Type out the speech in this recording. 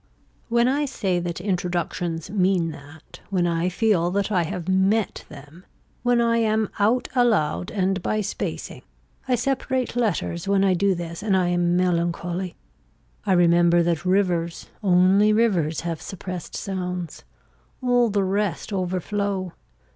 When I say that introductions mean that, when I feel that I have met them, when I am out aloud and by spacing I separate letters when I do this and I am melancholy I remember that rivers, only rivers have suppressed sounds. All the rest overflow.